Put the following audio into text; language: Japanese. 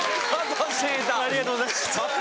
ありがとうございます。